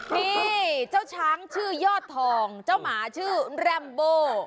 นี่เจ้าช้างชื่อยอดทองเจ้าหมาชื่อแรมโบ